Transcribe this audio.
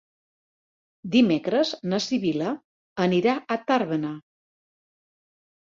Dimecres na Sibil·la anirà a Tàrbena.